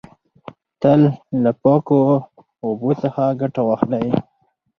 تل له پاکو اوبو څخه ګټه واخلی.